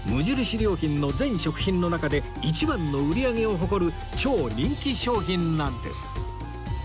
良品の全食品の中で一番の売り上げを誇る超人気商品なんです